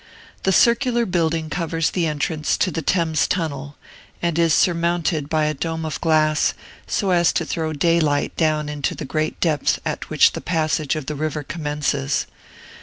The circular building covers the entrance to the Thames Tunnel, and is surmounted by a dome of glass, so as to throw daylight down into the great depth at which the passage of the river commences.